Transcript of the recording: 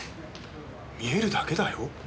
見えるだけだよ。